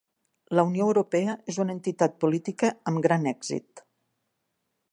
La Unió Europea és una entitat política amb gran èxit.